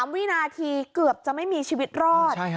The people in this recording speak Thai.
วินาทีเกือบจะไม่มีชีวิตรอด